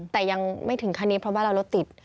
แต่ยังไม่ถึงขั้นนี้เพราะว่าเรารถติด